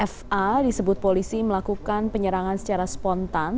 fa disebut polisi melakukan penyerangan secara spontan